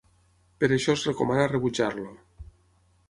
Per això es recomana rebutjar-lo.